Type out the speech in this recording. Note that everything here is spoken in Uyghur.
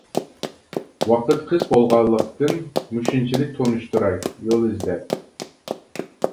ۋاقىت قىس بولغانلىقتىن مۇشۇنچىلىك تونۇشتۇراي يول ئىزدەپ!